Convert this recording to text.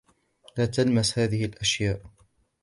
لا تلمس هذه الأشياء.